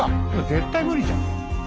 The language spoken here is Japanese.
絶対無理じゃん。